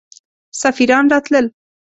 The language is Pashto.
سفیران راتلل.